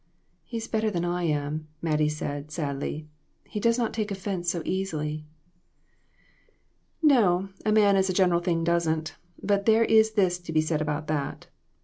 "He's better than I am," Mattie said, sadly; "he does not take offense so easily." "No, a man as a general thing, doesn't; but there is this to be said about that.